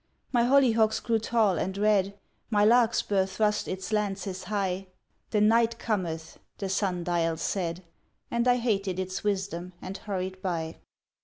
My hollyhocks grew tall and red. My larkspur thrust its lances high: "The Night Cometh," the sun dial said. And I hated its wisdom and hurried by.